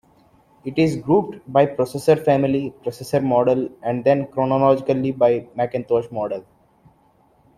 It is grouped by processor family, processor model, and then chronologically by Macintosh model.